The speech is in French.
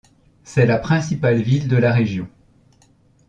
C'est la principale ville de la région.